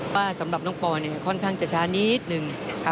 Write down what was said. ว่าสำหรับน้องปอเนี่ยค่อนข้างจะช้านิดหนึ่งค่ะ